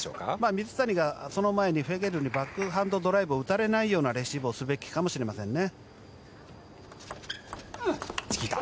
水谷がその前にフェゲルにバックハンドドライブを打たれないようなレシーブをすべきかもしれませんね。